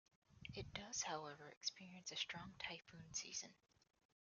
It does, however, experience a strong typhoon season.